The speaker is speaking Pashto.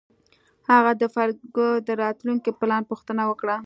هغه د فریدګل د راتلونکي پلان پوښتنه وکړه